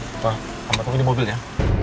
ma kamu tunggu di mobil ya